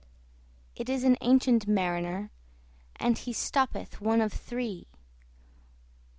It is an ancient Mariner, And he stoppeth one of three.